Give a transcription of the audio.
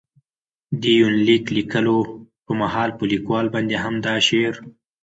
دې يونليک ليکلو په مهال، په ليکوال باندې هم د شعر.